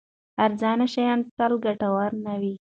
ارزانه شیان تل ګټور نه وي.